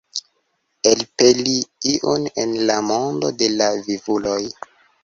Elpeli iun el la mondo de la vivuloj.